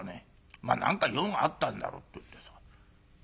まあ何か用があったんだろうっていってさ。